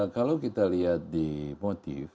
kalau kita lihat di motif